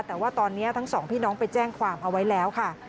แต่ว่าตอนนี้ทั้งสองพี่น้องไปแจ้งความเอาไว้แล้วค่ะ